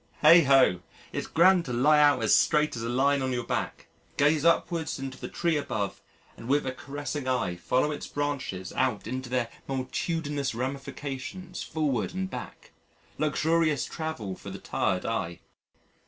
Heigh ho! it's grand to lie out as straight as a line on your back, gaze upwards into the tree above, and with a caressing eye follow its branches out into their multitudinous ramifications forward and back luxurious travel for the tired eye.